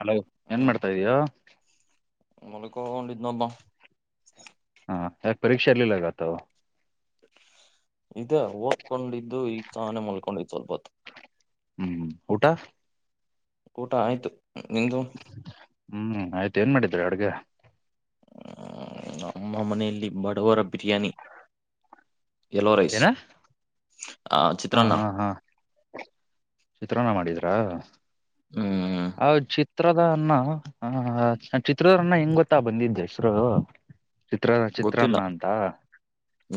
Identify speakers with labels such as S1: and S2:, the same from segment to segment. S1: Hello ಏನ್
S2: ಹ್ಮ್
S1: ಮಾಡ್ತಾ ಇದ್ದಿಯೋ
S2: ನವ [unintelligible]
S1: ಹಾ ಯಾಕ್ ಪರೀಕ್ಷೆ ಇರ್ಲಿಲ್ವ ಇವತ್ತು
S2: ಇದೇ ಓದ್ಕೊಂಡಿದು ಈಗ ತಾನೇ ಮಲ್ಕೊಂಡಿದ್ದು. ಸ್ವಲ್ಪತ್ತು.
S1: ಹ್ಮ್ ಊಟ.
S2: ಊಟ ಆಯ್ತು. ನಿಂದು
S1: ಹ್ಮ್ ಆಯ್ತ ಏನ್ ಮಾಡಿದ್ರ ಅಡ್ಗ.
S2: ನಮ್ಮ ಮನೆಯಲ್ಲಿ ಬಡವರ ಬಿರಿಯಾನಿ. ಯೆಲ್ಲೋ ರೈಸ್
S1: ಏನಾ
S2: ಆ
S1: ಹಾ
S2: ಚಿತ್ರಾನ್ನ
S1: ಹಾ ಹಾ ಚಿತ್ರನ್ನ ಮಾಡಿದ್ದಾರೆ. [unintelligible]
S2: ಹ್ಮ.
S1: ಹಾ ಚಿತ್ರದನ್ನ ಹಾ ಚಿತ್ರದನ್ನ ಹೆಂಗ್ ಗೊತ್ತಾ ಬಂದಿದ್ದ ಹೆಸರು. ಚಿತ್ರ
S2: ಗೊತ್ತಿಲ್ಲ
S1: ಚಿತ್ರಾನ್ನ ಅಂತ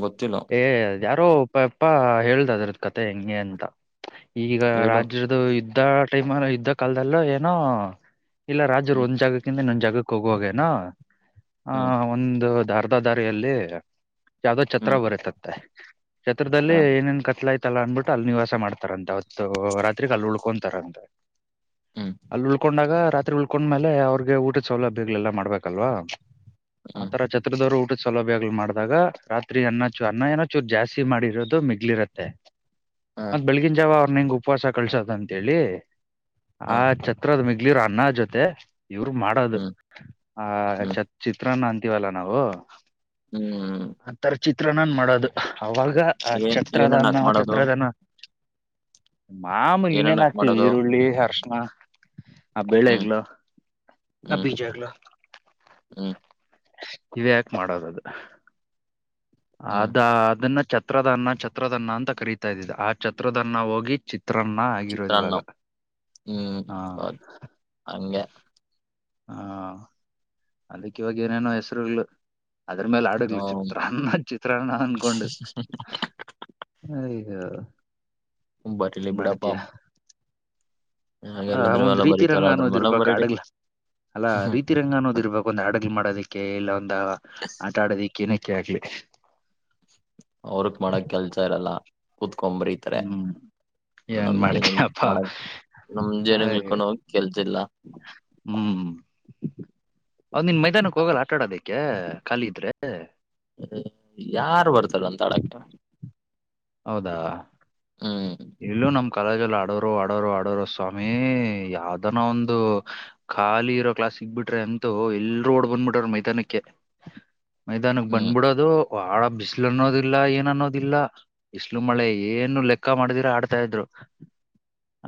S2: ಗೊತ್ತಿಲ್ಲ
S1: ಏ. ಯಾರೋ ಪಪ್ಪಾ ಹೇಳ್ದ ಅದ್ರದ ಕಥೆ ಹೆಂಗೆ ಅಂತ. ಈಗ
S2: ಹೇಳು
S1: ರಾಜ್ಯದ [unintelligible] ಅಲ್ಲೋ ಏನೋ. ಇಲ್ಲ ರಾಜರು
S2: ಹ್ಮ್
S1: ಒಂದ್ ಜಾಗದಿಂದ ಇನ್ನೊಂದ್ ಜಾಗ ಅದುಕ್ ಹೋಗ್ವಾಗ್ ಏನ. ಹ
S2: ಹ್ಮ್
S1: ಒಂದು ದ ವದ ದಾರಿಯಲ್ಲಿ. ಯಾವ್ದೋ ಛತ್ರ
S2: ಹ್ಮ್
S1: ಬರುತಂತೆ.
S2: ಹ
S1: ಚತ್ರದಲ್ಲಿ ಏನೇನ್ ಕತ್ಲಾಯ್ತ್ ತಲ್ಲ ಅಂದ್ಬುಟ್ಟು ಅಲ್ ನಿವಾಸ ಮಾಡ್ತಾರಂತೆ ಅವತ್ತು ರಾತ್ರಿಗ್ ಅಲ್ ಉಳ್ಕೊಂತಾರಂತೆ.
S2: ಹ್ಮ್
S1: ಅಲ್ ಉಳ್ಕೊಂಡಾಗ ರಾತ್ರಿ ಉಳ್ಕೊಂಡ್ಮೇಲೆ ಅವ್ರಗೆ ಊಟದ್ ಸೌಲಭ್ಯಗಳೆಲ್ಲ ಮಾಡ್ಬೇಕಲ್ವಾ.
S2: ಹ್ಮ್
S1: ಆತರ ಛತ್ರದವ್ರ್ ಊಟದ್ ಸೌಲಭ್ಯಗಳು ಮಾಡ್ದಾಗ ರಾತ್ರಿ ಅನ್ನ ಚೂ ಅನ್ನ ಏನೋ ಚೂರ್ ಜಾಸ್ತಿ ಮಾಡಿರೋದು ಮಿಗ್ಲಿರುತ್ತೆ.
S2: ಹ
S1: ಮತ್ ಬೆಳ್ಗಿನ್ ಜಾವ ನಿಂಗ್ ಉಪ್ವಾಸ ಕಳ್ಸದ್ ಅಂತೇಳಿ.
S2: ಹ
S1: ಹಾ ಛತ್ರದ್ ಮೆಗ್ ಮಿಗ್ಲಿರೋ ಅನ್ನ ಜೊತೆ. ಇವ್ರು ಮಾಡೋದು
S2: ಹ್ಮ್
S1: ಆ
S2: ಹ್ಮ್
S1: ಚ ಚಿತ್ರನ್ನ ಅಂ ತಿವಲ್ಲ ನಾವು.
S2: ಹ್ಮ್
S1: ಚಿತ್ರನ್ನನ್ ಮಾಡೋದ್. ಅವಾಲ್ಗ ಆ
S2: ಏನ್ ಏನನ್ನ ಹಾಕ್
S1: ಛತ್ರದನ್ನು
S2: ಮಾಡೋದು
S1: ಛತ್ರದನ. ಮಾಮೂಲಿ
S2: ಏನನ್ನ
S1: ಇನ್ನೇನ್
S2: ಹಾಕ್
S1: ಆಕ್ತಿವಿ
S2: ಮಾಡೋದು
S1: ಈರುಳ್ಳಿ. ಅರ್ಷ್ಣ. ಆ
S2: ಹ್ಮ್
S1: ಬೆಳೆಗ್ಳು ಆ
S2: ಹ್ಮ್
S1: ಬೀಜಗ್ಳು
S2: ಹ್ಮ್
S1: ಇವ್ ಯಾಕ್ ಮಾಡೋದದು.
S2: ಹ್ಮ್
S1: ಅದಾ ಅದನ್ನ ಛತ್ರದನ್ನ ಛತ್ರದನ್ನ ಅಂತ ಕರಿತಾ ಇದಿದ್ ಆ ಛತ್ರದನ್ನ ಹೋಗಿ ಚಿತ್ ತ್ರನ್ನ ಆಗಿರೋದ್
S2: ಚಿತ್ರಾನ್ನ
S1: ಇವಾಗ
S2: ಹ್ಮ್
S1: ಹಾ.
S2: ಹೌದ್ ಹಂಗೆ
S1: ಹಾ ಅದಿಕ್ ಇವಾಗ್ ಏನೇನೋ ಹೆಸ್ರುಗ್ಳು. ಅದ್ರ ಮೇಲ್ ಆಡುಗ್ಳು ಚಿತ್ರಾನ್ನ ಚಿತ್ರಾನ್ನ ಅನ್ಕೊಂಡು ಹಯ್. ಯ.
S2: ಬಟ್ ಇಲ್ಲಿ ಬಿಡಪಾ.
S1: ಅಲ್ಲ ಒಂದ್ ರೀತಿ
S2: ಬರೀತಾರ
S1: ರಂಗ
S2: ಅದ್ರ
S1: ಅನ್ನೋದ್
S2: ಮೇಲೆ
S1: ಇರ್ಬೇಕ್
S2: ಬರೀರಿ
S1: ಹಾಡ್ಗಳ್ ಅಲ್ಲಾ ರೀತಿ ರಂಗ ಅನ್ನೋದು ಇರ್ಬೇಕು ಒಂದ್ ಹಾಡ್ಗಳ್ ಮಾಡೋದಿಕ್ ಕೆ ಇಲೋ ಒಂದ ಆಟ ಆಡೋದಿಕ್ಕೆನೆ ಓಕೆ ಆಗ್ಲಿ.
S2: ಅವರಿಗೆ ಮಾಡಕ್ ಕೆಲ್ಸ ಇರಲ್ಲ. ಕುತ್ಕೊಂಡು ಬರಿತಾರೆ
S1: ಹ್ಮ್ ಏನ್
S2: ನಮ ಜನ
S1: ಮಾಡ್ತಯಪ್ಪಾ
S2: ಮಾಡಕ್ ನಮ ಜನಕೊಂಡ ಹೋಗಿ ಕೆಲಸ ಇಲ್ಲ.
S1: ಹ್ಮ್. ಹೌದು ನಿನ್ ಮೈದಾನಕ್ಕೆ ಹೋಗಲ್ಲ ಆಟ ಆಡೋದಕ್ಕೆ. ಅ ಖಾಲಿ ಇದ್ರೆ.
S2: ಯಾರು ಬರ್ತ. ಆಡಕ್ಕೆ.
S1: ಹೌದಾ -
S2: ಹಾ
S1: ಇಲ್ಲೂ ನಮ್ ಕಾಲೇಜಲ್ಲಿ ಆಡೋರು ಆಡೋರು ಆಡೋರು ಸ್ವಾಮಿ ಯಾವ್ದನ ಒಂದು ಖಾಲಿ ಇರೋ ಕ್ಲಾಸ್ ಸಿಗ್ಬಿಟ್ರೆ ಅಂತೂ ಎಲ್ರು ಓಡ್ ಬಂದ್ಬಿಟರು ಮೈದಾನಕ್ಕೆ. ಮೈದಾನಕ್
S2: ಹ್ಮ್
S1: ಬಂದ್ಬಿಡೋದು - ಬಾಳ ಬಿಸಿಲು ಅನ್ನೋದಿಲ್ಲ ಏನು ಅನ್ನೋದಿಲ್ಲ ಬಿಸಿಲು ಮಳೆ ಏನು ಲೆಕ್ಕ ಮಾಡಿದ - ಆಡ್ತಾ ಇದ್ರು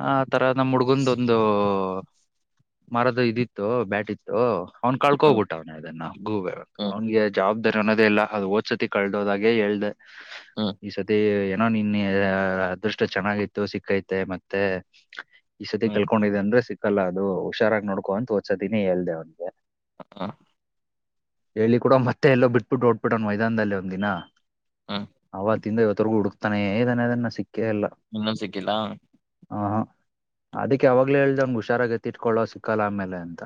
S1: ಆ - ತರ ನಮ್ಮ್ ಹುಡ್ಗಂದ ಒಂದು - ಮರದ ಇದಿತ್ತು ಬ್ಯಾಟಿತ್ತು - ಅವ್ನು ಕಳಕಂಡ್
S2: ಹ್ಮ್
S1: ಬಿಟ್ಟವನೇ ಅದನ್ನ ಗೂಬೇ
S2: ಹ್ಮ್
S1: ಅವ್ನಿಗೆ ಜಾಬ್. ಅನ್ನೋದೇ ಇಲ್ಲ ಅದು ಓದ ಸಲ ಕಳೆದುಹೋದಾಗ ಹೇಳಿದೆ.
S2: ಹ್ಮ್
S1: ಈ ಸತಿ - ನಿನ್ನೆ ಅದೃಷ್ಟ ಚೆನ್ನಾಗೈತೆ ಸಿಕ್ಕೈತೆ ಮತ್ತೆ - ಈ ಸತಿ
S2: ಹ್ಮ್
S1: ಕಳ್ಕೊಂಡಿದೆ ಅಂದ್ರೆ ಸಿಕ್ಕಲ್ಲ. ಅಲ್ಲ ಅದು ಹುಷಾರಾಗಿ ನೋಡ್ಕೋಂತ ಹೋಧ ಸರ್ತಿ ನೆ ಹೇಳದೇ ಅವ್ನಿಗೆ -
S2: ಹ -
S1: ಹೇಳಿ ಕೂಡ ಮತ್ತೆ ಎಲ್ಲೋ ಬಿಟ್ಬಿಟ್ಟು ಹೊರಟ ಬಿಟ್ಟವ್ನೆ ಮೈದಾನದಲ್ಲಿ ಒಂದ್ ದಿನ - ಅವತ್ತು.
S2: ಹ್ಮ್
S1: ಅವತ್ತ ಇಂದ ಇವತ್ತು ವರೆಗೂ ಕೊಡುತ್ತಾನೆ ಸಿಕ್ಕೆ ಇಲ್ಲ ಸಿಕ್ಕೆ ಇಲ್ಲ
S2: ಇನ್ನೊಂದ್ ಸಿಕ್ಕಿಲ್ಲ
S1: ಹ್ಹ್ ಹ್ಹ್. ಅದಕ್ಕೆ ಯಾವಾಗ್ಲೇ ಹೇಳ್ದವನ್ ಹುಷಾರಾಗ ಎತ್ತಿಟ್ಕೊಳ್ಳೋ ಸಿಕ್ಕಲ್ಲ ಆಮೇಲೆ ಅಂತ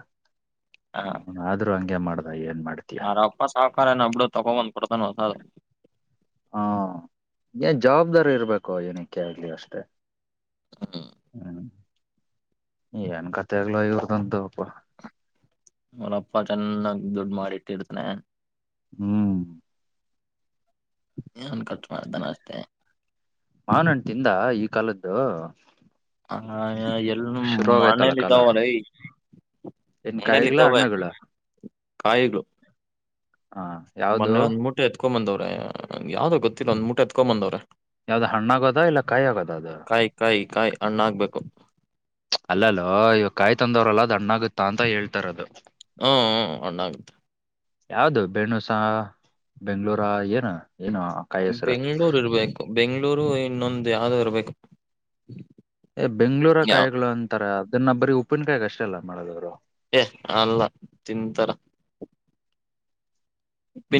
S1: - ಹ ಆದ್ರೂ ಹಂಗೆ ಮಾಡ - [unintelligible]
S2: ಅವ್ರ ಅಪ್ಪ ಸಾವ್ಕಾರ ಆನ ಬಿಡು ತಗೊಬಂಧು ಕೊಡ್ತಾನ ಹೊಸದು
S1: ಹಾ ಏನ್ ಜವಾಬ್ದಾರಿ ಇರ್ಬೇಕು ಏನಕ್ಕೆ ಆಗ್ಲಿ ಅಷ್ಟೆ
S2: ಹ್ಮ್
S1: - ಹ್ಮ- ಏನ್ ಕತೆ ಆಗ್ಲ ಇವರದು ದಂತು ಪ್ಪಾ.
S2: ಅವರಪ್ಪ ಚೆನ್ನಾಗ ದುಡ್ ಮಾಡಿಟ್ಟಿರ್ತಾನೆ.
S1: ಹ್ಮ್
S2: ನ್ ಕ ಚಮಾರ ತನಾಶತೆ [unintelligible]
S1: ಮಾವಿನ ಹಣ್ಣು ತಿಂದಾ ಈ ಕಾಲದ್ದು
S2: ಹ ಎಲ್ಲೂ
S1: ಶುರು ಆಗೈತಲ್ಲ
S2: ಮನೇಲಿ
S1: ಕಾಲ
S2: ಇದ್ದಾವಲ್ಲೈ
S1: ಏನ್
S2: ಮನೇಲಿ
S1: ಕಾಯಿಗಳ
S2: ಇದ್ದಾವೆ
S1: ಹಣ್ಣುಗಳ
S2: ಕಾಯಿಗಳು
S1: ಹ ಯುವುದು
S2: ಮೊನ್ನೆ ಒಂದ್ ಮೂಟೆ ಎತ್ಕೊಂಡ್ ಬಂದವ್ರೆ ಯಾವ್ದೋ ಗೊತ್ತಿಲ್ಲ ಒಂದು ಮುಟ್ಟೆ ಎತ್ಕೊಂಡ್ ಬಂದವ್ರೆ
S1: ಯಾವ್ದ್ ಹಣ್ಣ ಆಗದಾ ಇಲ್ಲ ಕಾಯಿ ಆಗದಾ ಅದು
S2: ಕಾಯಿ ಕಾಯಿ ಕಾಯಿ ಹಣ್ಣಾಗ್ಬೇಕು
S1: ಅಲ್ಲಲ್ಲೋ ಇವಗ ಕಾಯಿ ತಂದವ್ರಲ್ಲ ಅದು ಹಣ್ಣಗುತ್ತಾ ಅಂತ ಹೇಳ್ತಾಇರೋದು
S2: ಹೂ ಹೂ ಹಣ್ಣಾಗುತ್ತೆ
S1: ಯಾವುದು ಬೆಣುಸ ಬೆಂಗ್ಳೂರ ಏನ ಏನ ಕಾಯಿ ಹೆಸರ
S2: ಬೆಂಗ್ಳೂರು ಇನ್ನೊಂದು ಯಾವ್ದ ಇರ್ಬೇಕು
S1: ಬೆಂಗ್ಳೂರ
S2: ಯಾವ
S1: ಕಾಯಿಗಳು ಅಂತಾರೆ ಅ ಇದನ್ನ ಬರಿ ಉಪ್ಪಿನಕಾಯಿಗ ಅಷ್ಟಲ್ಲ ಮಾಡೋದಾದ್ರೂ
S2: ಏ ಅಲ್ಲ ತಿಂತಾರ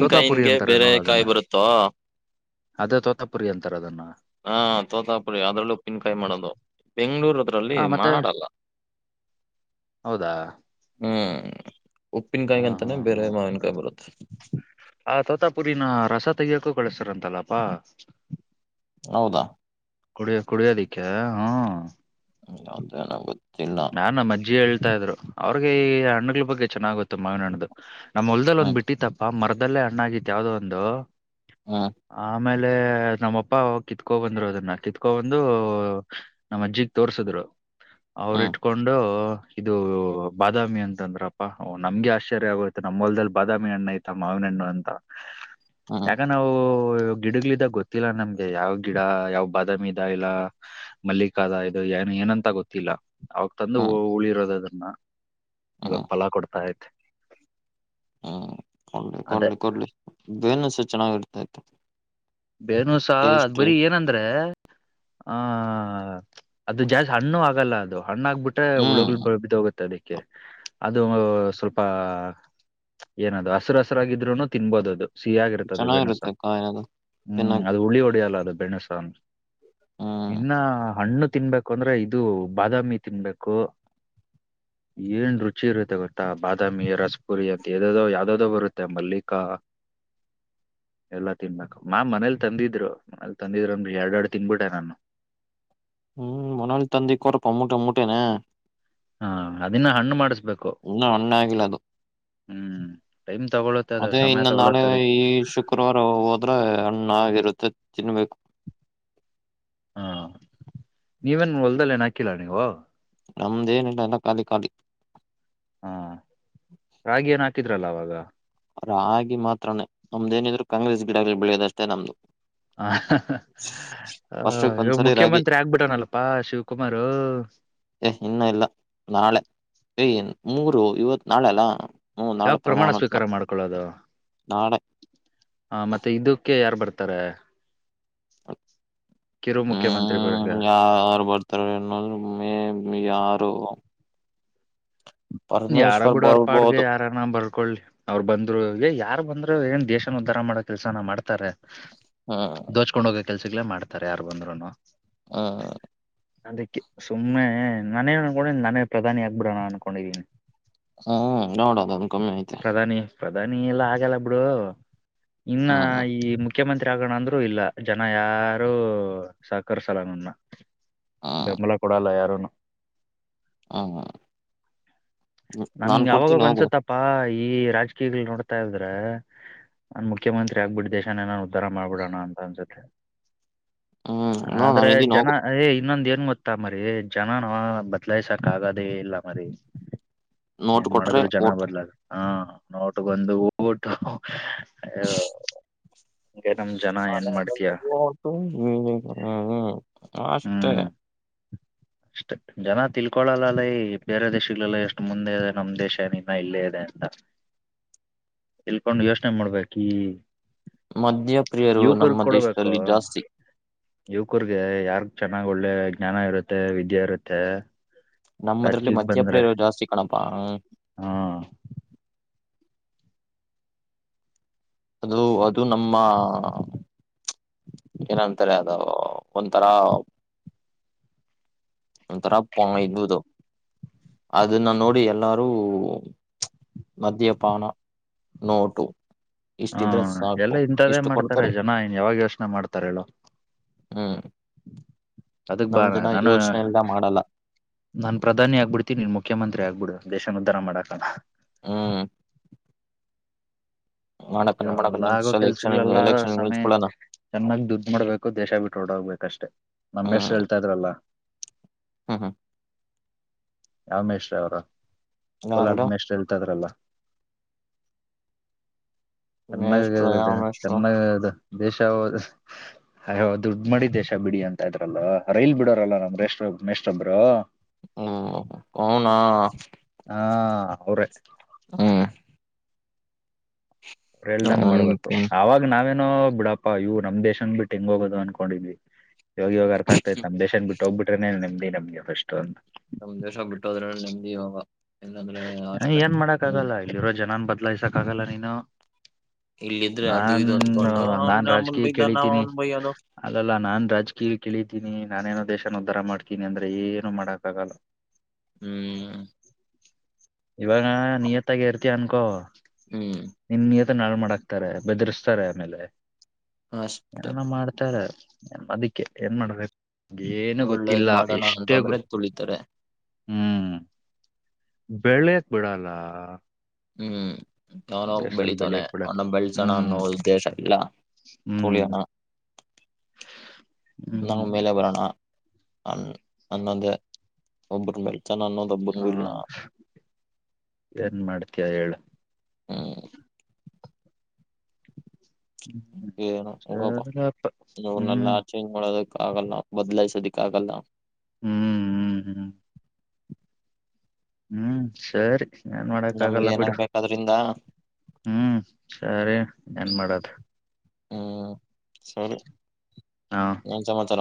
S1: ತೋತಾಪುರಿ ಅಂತಾರೆ
S2: ಬೇರೆ
S1: ನೋಡ
S2: ಕಾಯಿ
S1: ಅದನ್ನ
S2: ಬರುತ್ತಾ
S1: ಅದೇ ತೋತಪುರಿ ಅಂತಾರ ಅದನ್ನ
S2: ಹಾ ತೋತಾಪುರಿ ಅದ್ರಲ್ಲೂ ಉಪ್ಪಿನಕಾಯಿ ಮಾಡೋದು ಬೆಂಗ್ಳೂರ್ ಅದ್ರಲ್ಲಿ
S1: ಆ ಮತ್ತೆ
S2: ಮಾಡಲಾ
S1: ಹೌದಾ
S2: ಹೂ
S1: ಹಾ ಹಾ ಹಾ
S2: ಮಾವಿನಕಾಯಿ ಬರುತ್ತೆ
S1: ಆ ತೋತಪುರಿ ನ ರಾಸ ತಗಯಕು ಕಳಸರ್ ಅಂತಲ್ಲಪ್ಪಾ
S2: ಹೌದಾ
S1: ಕುಡಿಯ ಕುಡಿಯ ದಕೇ ಹಾ
S2: ಹ್ಮ ಹೌದ ಗೊತ್ತ [unintelligible]
S1: ನಾ ನಮ್ಮ ಅಜ್ಜಿ ಹೇಳ್ ಹೇಳ್ತಾ ಇದ್ರು ಅವ್ರಿಗೆ ಈ ಹಣ್ಣಗಳ ಬಗ್ಗೆ ಚೆನ್ನಾಗುತ್ತೆ ಮಾವಿನ ಹಣ್ಣ್ದು ನಮ್ಮ್ ಹೊಲ್ದ ಅಲ್ಲಿ ಒಂದ್
S2: ಹ್ಮ್
S1: ಬಿಟ್ಟ ತಪ್ಪ ಮರ ಅಲ್ಲೇ ಹಾಣ್ಣಾಗಿತ್ತು ಯಾವ್ದದೋ ಒಂದು
S2: ಹು
S1: ಆಮೇಲೆ ನಮ್ಮಪ್ಪ ಕಿತ್ಕೊ ಬಂದ್ರು ಅದನ್ನ ಕಿತ್ಕೊ ಬಂದು ನಮ್ಮ ಅಜ್ಜಿಗ್ ತೋರ್ಸಿದ್ರು ಅವ್ರ
S2: ಹ್ಮ್
S1: ಇಟ್ ಕೊಂಡು ಇದು ಬಾದಾಮಿ ಅಂತಂದ್ರಪ್ಪಾ ನಮ್ಗೆ ಆಶ್ಚರ್ಯ ಆಗುತ್ತ ನಮ್ಮ ಹೊಲ್ದಲ್ಲಿ ಬಾದಾಮಿ ಹಣ್ಣು ಐತ ಮಾವಿನ ಹಣ್ಣು ಅಂತ
S2: ಹ್ಮ್
S1: ಯಾಕ ನಾವು [unintelligible] ಗಿಡಗಳಿದಾಗ ಗೊತ್ತಿಲ್ಲ ನಮ್ಗೆ ಯಾವ್ ಗಿಡ ಯಾವ್ ಬಾದಾಮಿ ಇದ ಇಲ್ಲ ಮಲ್ಲಿಕ್ ಆದ ಇದು ಏನ್ ಏನಂತ ಗೊತ್ತಿಲ್ಲ ಅವಕ್ ತಂದು
S2: ಹ್ಮ್
S1: ಹೂಳಿ ಇರೋದು ಅದು ನ ಇವಾಗ
S2: ಹ್ಮ್
S1: ಫಲ ಕೊಡ್ತಾ ಇದೇ
S2: ಹ್ಮ್ ಕೊಡ್ಲಿ
S1: ಅದೇ
S2: ಕೊಡ್ಲಿ ಕೊಡ್ಲಿ ಬೇನ್ಸ ಚೆನ್ನಾಗಿರ್ ತ್ಯು
S1: ಬೇನುಸ ಅದ್ ಬರಿೀ ಏನಂದ್ರೆ ಹ ಅದು ಜಾಸ್ತಿ ಹಣ್ಣು ಆಗಲ್ಲ ಅದು ಹಣ್ಣ ಆಗ್ಬಿಟ್ಟೆ
S2: ಹ್ಮ್
S1: ಹುಳುಗಳ್ ಬಿದೋಗುತ್ತೆ ಅದ್ಕೆ ಅದು ಸ್ವಲ್ಪ ಏನದು ಹಸರು ಹಸರಾಗಿದ್ರರುನು ತಿನ್ಬೋದ ಅದು ಸಿಹಿಯಾಗಿರುತ್ತದೆ ಬೆಣಸ
S2: ಚೆನ್ನಾಗಿರುತ್ತೆ ಕಾಯಿ ಅದು
S1: ಹ್ಮ್
S2: ತಿನ್ನಕ್ಕೆ
S1: ಅದು ಉಳ್ಳಿ ಒಳ್ಳ ಡಿ ಅಲ್ಲದು ಬೇಣಸ
S2: ಹ್ಮ್
S1: ಇನ್ನ ಹಣ್ಣು ತಿನ್ಬೇಕು ಅಂದ್ರೆ ಇದು ಬಾದಾಮಿ ತಿನ್ಬೇಕು ಏನ್ ರುಚಿ ಇರುತ್ತೆ ಗೊತ್ತಾ ಬಾದಾಮಿ ರಸಪುರಿ ಅಂತೋ ಯಾವ್ದ್ದೋ ಬರುತ್ತೆ ಮಲ್ಲಿಕ ಎಲ್ಲ ತಿನ್ಬೇಕು ನಾನ್ ಮನೇಲ್ ತಂದಿದ್ರು ಮನೇಲ್ ತಂದಿದ್ರು ಅನ್ರು ಎರಡ್ರಡ್ ತಿಂದ್ಬಿಟ್ಟೆ ನಾನು
S2: ಹ್ಮ್ ಮನೆಯಲ್ಲಿ ತಂದಿಕ್ಕೊರಪ್ಪ ಮುಟೆ ಮೂಟೆನೆ ನಾ
S1: ಹಾ ಅದನ್ನ ಹಣ್ಣು ಮಾಡಸ್
S2: ಇನ್ನು ಹಣ್ಣಗಿಲ್ಲ ಅದು
S1: ಹ್ಮ್ ಟೈಮ್ ತಗೊಳುತ್ತೆ ಅದು
S2: ಅದೇ
S1: ಸಮಯ
S2: ಇನ್ನು ನಾನು
S1: ತಗೊಳುತ್ತೆ ಅದಕ್ಕೆ
S2: ಈ ಶುಕ್ರವಾರ ಹೋದ್ರೆ ಹಣ್ಣಾಗಿರುತ್ತೆ ತಿನ್ನಬೇಕು
S1: ಹಾ ನೀವೇನ್ ಹೊಲ್ದದಲ್ಲಿ ಏನ ಹಾಕಿಲ್ಲ ನೀವು
S2: ನಮ್ದೇನಿಲ್ಲ ಎಲ್ಲ ಕಾಲಿ ಕಾಲಿ
S1: ಹಾ ರಾಗಿ ಏನ್ ಹಾಕಿದ ಇದ್ರಲ್ಲ ಅವವಾಗ
S2: ರಾಗಿ ಮಾತ್ರನೇ ನಮ್ದೇನಿದ್ರು ಕಾಂಗ್ರೆಸ್ ಗಿಡಗಳು ಬೆಳೆಯೋದಷ್ಟೇ ನಮ್ದು
S1: ಹ ಹಾ
S2: ವರ್ಷಕ್ಕ
S1: ಇವಾಗ
S2: ಒಂದ್ಸರಿ ರಾಗಿ
S1: ಮುಖ್ಯಮಂತ್ರಿ ಆಗ್ಬಿಟನಲ್ಲಪಾ ಶಿವಕುಮಾರ
S2: ಏ್ ಇನ್ನ ಇಲ್ಲ ನಾಳೆ ಮೂರು ಇವತ್ ನಾಳೆ ಅಲ್ಲಾ
S1: ಯಾವಕ್ ಪ್ರಮಾಣ ಸ್ವೀಕಾರ ಮಾಡ್ಕೊಳ್ಳೋದು
S2: ನಾಳೆ
S1: ಆ ಮತ್ತೆ ಇದಕ್ಕೆ ಯಾರ್ ಬರ್ತಾರೆ ತಾರೇ
S2: ಹ್ಮ್ ಯಾರು ಬರ್ತಾರೆನ್ನ ಮೇಬಿ ಯಾರು
S1: ಯಾರ
S2: ಪರಮೇಶ್ವರ್
S1: ಬಿಡ ಅವ್ರ ಪಾಡ್ಗೆ
S2: ಬರ್ಬೋದು
S1: ಯಾರ ನ ಬರ್ಕೊಳ್ಳಿ ಅವ್ರರು ಬಂದ ಇದ ರೊಳಗೆ ಯಾರು ಬಂದ್ರು ಏನ್ ದೇಶನ ಉದ್ಧಾರ ಮಾಡೋ ಕೆಲ್ಸನ ಮಾಡ್ತಾರೆ
S2: ಹಾ
S1: ಕೆಲ್ಸಗಳೇ ಮಾಡ್ತಾರೆ ಯಾರು ಬಂದ್ರುನು
S2: ಹ
S1: ಅದಕ್ಕೆ ಸುಮ್ಮನೆ ನಾನೇ ಅನ್ಕೊಂಡ ನನೇ ಪ್ರಧಾನಿ ಆಗ್ಬಿಡೋಣ ಅನ್ಕೊಂಡಿದೀನಿ
S2: ಹ್ಮ್ ನೋಡಣ ಅದ ಕಮ್ಮಿ ಐತೆ
S1: ಪ್ರಧಾನಿ ಪ್ರಧಾನಿ ಎಲ್ಲ ಹಾಗೆಲ್ಲ ಬಿಡು ಇನ್ನ
S2: ಹ್ಮ್
S1: ಈ ಮುಖ್ಯ ಮುಖ್ಯಮಂತ್ರಿ ಆಗೋಣ ಅಂದ್ರು ಇಲ್ಲ ಜನ ಯಾರು ಸಹಕರಿಸಲ್ಲ ನನ್ನ ಬೆಂಬಲ ಕೊಡಲ್ಲ ಯಾರುನು
S2: ಹಾ ಹಾ
S1: ನನ್ಗೆ ಯಾವಾಗ ಅನ್ಸತ್ತಪ್ಪಾ ಈ ರಾಜಕೀಯಗಳು ನೋಡ್ತಾ ಇದ್ರೆ ನಾನನ್ ಮುಖ್ಯಮಂತ್ರಿ ಆಗ್ಬಿಟ್ಟ ದೇಶಾನ ಏನನ್ ಉದ್ಧಾರ ಮಾಡ್ಬಿಡೋಣ ಅಂತ ಅನ್ಸುತ್ತೆ
S2: ಹ್ಮ್ ನೋ
S1: ಆದ್ರೆ
S2: ನಾನ್ ಇದೀನಿ
S1: ಜನ
S2: ಹೋಗು
S1: ಏ ಇನ್ನೊಂದ ಮತ್ತ ಮರಿ ಜನನ ಬದ್ಲಾಯ್ಸಕ್ ಆಗದೇ ಇಲ್ಲ ಮರಿ
S2: ನೋಟ್
S1: ಏನ್
S2: ಕೊಟ್ರೆ
S1: ಮಾಡಿದ್ರು ಜನ
S2: ಓಟು
S1: ಬರ್ಲಾರ ಹಾ ನೋಟಗೊಂದು ಓಟ್ಟ ಹೋ
S2: ಮ [unintelligible] ಹ್ಮ ಹ್ಮ್ ಹ್ಮ್ ಅಷ್ಟೇ
S1: ಅಷ್ಟೇ ಜನ ತಿಳ್ಕೊಳಲ್ಲಲ್ಲ ಈ ಬೇರೆ ದೇಶಲಲ್ಲ ಎಷ್ಟು ಮುಂದೆ ಇದೆ ನಮ ದೇಶ ಏನ ಇನ್ನ ಇಲ್ಲೇ ಇದೆ ಅಂತ ತಿಲ್ಕೊಂಡು ಯೋಚನೆ ಮಾಡ್ಬೇಕಿ
S2: ಮದ್ಯಪ್ರಿಯರು ನಮ್ಮ
S1: ಕೊಡಬೇಕು
S2: ದೇಶದಲ್ಲಿ ಜಾಸ್ತಿ
S1: ಯುವಕರ್ಗೆ ಯಾರ್ ಚೆನ್ನಾಗ್ ಒಳ್ಳೆ ಜ್ಞಾನ ಇರುತ್ತೆ ವಿದ್ಯೆ ಇರುತ್ತೆ
S2: ನಮ್ಮದ್ರಲ್ಲಿ
S1: ರಾಜಕೀಯಕ್
S2: ಮದ್ಯ
S1: ಬಂದ್ರೆ
S2: ಪ್ರಿಯರ ಜಾಸ್ತಿ ಕಣಪಾ ಹ
S1: ಹಾ
S2: [unintelligible] ಅದು ಅದು ನಮ್ಮ ಏನಂತಾರೆ ಅದ ಒಂಥರ ಒಂಥರ ಪ ಇದು ಅದನ್ನ ನೋಡಿ ಎಲ್ಲಾರೂ ಮದ್ಯಪಾನ ನೋಟು ಇಷ್ಟಿದ್ರೆ
S1: ಹ್ಮ ಎಲ್ಲ
S2: ಸಾಕು
S1: ಇಂತದ್ದೇ
S2: ಇಷ್ಟು
S1: ಮಾಡ್ತಾರೆ
S2: ಕೊಡ್ತಾರೆ
S1: ಜನ ಇನ್ ಯಾವಾಗ ಯೋಚನೆ ಮಾಡ್ತಾರೆ ತರಲ್ಲ
S2: ಹ್ಮ್
S1: ಅದಕ್ ಬಾ
S2: ನಮ್ ಜನ
S1: ನಾನು
S2: ಯೋಚನೆ ಎಲ್ಲ ಮಾಡಲ್ಲ
S1: ನಾನ್ ಪ್ರಧಾನಿ ಆಗ್ಬಿಡ್ತೀನಿನ್ ಮುಖ್ಯಮಂತ್ರಿ ಆಗ್ಬಿಡು ದೇಶನದಾರ ಮಾಡಾಕಣ
S2: ಹಾ [unintelligible]
S1: ಅಯ ಎಲ್ಲ ಆಗೋ
S2: ನೆಕ್ಸ್ಟ್ ಎಲೆಕ್ಷನ್
S1: ಕೆಲ್ಸಗಳೆಲ್ಲ
S2: ಎಲೆಕ್ಷನ್
S1: ಸಮಯ
S2: ನಿಲ್ಸ್ಕೊಳ್ಳೋಣ
S1: ಚೆನ್ನಾಗ ದುಡ್ ಮಾಡ್ಬೇಕು ದೇಶ ಬಿಟ್ಟು ರೋಡೋಗ್ಬೇಕಷ್ಟೇ ನಮ್ಮೇಶ್ ಹೇಳ್ತಾ ಇದ್ರಲ್ಲ
S2: ಹಾ ಹಾ [unintelligible]
S1: ರಮೇಶ ರ ಅವರು
S2: ಯಾರಡ
S1: ಕೋಲಾರದಿನ ಅಷ್ಟ್ ಹೇತದ್ರಲ್ಲ ಚೆನ್ನಾಗ
S2: ಮೇಷ್ಟ್ರು ಯಾವ
S1: [unintelligible]
S2: ಮೇಷ್ಟ್ರು
S1: ಚೆನ್ನಾಗದು ದೇಶ ಅ ದುಡ್ಡ ಮಾಡಡಿ ದೇಶ ಬಿಡಿ ಅಂತ ಇದ್ರಲ್ಲ ರೈಲ್ ಬಿಡೋರಲ್ಲ ನಮ್ [unintelligible]
S2: ಹ್ಮ್ ಅವನಾ
S1: ಹಾ ಅವ್ರೇ
S2: ಹ್ಮ್
S1: ಹೆಲ್ದಂಗ್ ಮಾಡ್ಬೇಕು
S2: ಅವನ್ಕೆ
S1: ಅವಾಗ ನಾ [unintelligible] [unintelligible] ಬಿಡಪ್ಪಾ ಇವು ನಮ್ ದೇಶನ್ ಬಿಟ್ಟು ಹೆಂಗ್ ಹೋಗೋದು ಅನ್ಕೊಂಡಿದ್ವಿ ಇವಾಗ ಇವಾಗ ಅರ್ಥ ಆಗ್ತತ್ಯತೆ ನಮ್ಮ ದೇಶನ್ ಬಿಟ್ಟ ಹೋಗ್ಬಿಟ್ರೆನೆ ನೆಮ್ [unintelligible]
S2: ನಮ್ ದೇಶ ಬಿಟ್ಟೋದ್ರ ನೆಮದ್ದಿ ಈವಾಗಾ
S1: ಏನ್ ಮಾಡಕ್ ಆಗಲ್ಲ ಇಲ್ಲಿ ಇರೋರು ಜನನ್ ಬ [unintelligible] ದಲೈಸಕ್ಕಾಗಲ್ಲ ನೀನು
S2: ಇಲ್ಲಿದ್ರೆ ಅದು
S1: ನಾನ್
S2: ಇದು ಅನ್ಕೊಂಡು ಅವ್ನ್
S1: ನಾನ್
S2: ನಮ್ಮನ್
S1: ರಾಜಕೀಯ
S2: ಬೈದ ನಾವ್
S1: ಕೇಳಿತೀನಿ
S2: ಅವ್ನ್ ಬೈಯೋದು
S1: ಅಲ್ಲಲ್ಲ ನಾನ್ ರಾಜಕೀಯ ಇಳಿತೀನಿ ನಾನೇನೋ ದೇಶನ ಉದ್ಧಾರ ಮಾಡ್ತೀನಿ ಅಂದ್ರೆ ಏನು ಮಾಡಕ್ಕ ಆಗಲ್ಲ
S2: ಹ್ಮ್
S1: ಇವಾಗಿನ ನಿಯತ್ತಾಗಿ [unintelligible] [unintelligible] ದೆ ಅನ್ಕೋ [unintelligible]
S2: ಹ್ಮ್
S1: [unintelligible] ಹಾಳ್ ಮಾಡಾಕ್ತಾರೆ ಬೆದ್ರಸ್ತಾರೆ ಆಮೇಲೆ
S2: ಅಷ್ಟೆ
S1: ಏನೇನೊ ಮಾಡ್ತಾರೆ ಅದಿಕ್ಕೆ ಏನ್ ಮಾಡಬೇಕು ಏನು
S2: ಒಳ್ಳೇದ್
S1: ಗೊತ್ತಿಲ್ಲ
S2: ಮಾಡೋಣ
S1: ಎಷ್ಟೇ
S2: ಅಂತಂದ್ರೆ ತುಳಿತಾರೆ
S1: [inaudible] ಹ್ಮ್ ಬೆಳ್ಳೆಯಕ್ ಬಿಡಲ್ಲ
S2: ಹ್ಮ್
S1: ನಮ್
S2: ಯಾವನೋ
S1: ದೇಶದಲ್ಲಿ
S2: ಬೆಳಿತವಾನೆ
S1: ಬೆಳ್ಯಕ್ ಬಿಡಲ್ಲ
S2: ಅವನ ಬೆಳಸೋಣ ಅನ್ನೋ
S1: ಹ್ಮ್
S2: ಉದ್ದೇಶ ಇಲ್ಲ
S1: ಹ್ಮ್
S2: ತುಳಿಯೋಣ ನಾವು
S1: ಹ್ಮ್
S2: ಮೇಲೆ ಬರೋಣ ಅನ್ ಅನ್ನೋದೇ [unintelligible] ಚಾನಾನೋದಬ್
S1: ಹ ಏನ್ ಮಾಡ್ತಯ ಹೇಳು
S2: [unintelligible] ಹ್ಮ ಏನೊ ಹೋಗಪ್ಪ
S1: ಸರಪ್ಪ
S2: ಇವರ್ನೆಲ್ಲ
S1: ಹ್ಮ್
S2: ಚೇಂಜ್ ಮಾಡೋದಕ್ಕ ಆಗಲ್ಲ ಬದಲಾಯಿಸದಕ್ಕಾಗಲ್ಲ
S1: ಹ್ಮ್ ಹ್ಮ್ ಹ್ಮ್ ಹ್ಮ್ ಸರಿ ಏನ್ ಮಾಡಕ್
S2: ನಮ್ಗೆ
S1: ಆಗಲ್ಲ ಬಿಡು
S2: ಏನಾಗ್ಬೇಕದ್ರಿಂದ
S1: ಹ್ಮ್ ಸರಿ ಏನ್ ಮಾಡೋದ
S2: ಹ್ಮ್ ಸರಿ
S1: ಹಾ
S2: ಏನ್ ಸಮಾಚಾರ